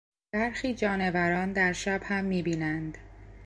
برخی جانوران در شب هم میبینند.